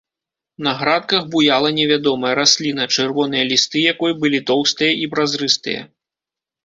На градках буяла невядомая расліна, чырвоныя лісты якой былі тоўстыя і празрыстыя.